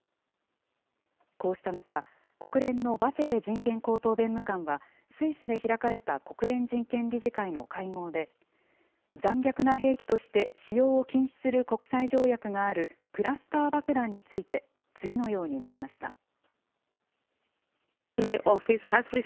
こうした中、国連のバチェレ人権高等弁務官は、スイスで開かれた国連人権理事会の会合で、残虐な兵器として使用を禁止する国際条約があるクラスター爆弾について、次のように述べました。